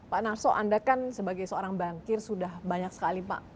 pak narso anda kan sebagai seorang bankir sudah banyak sekali pak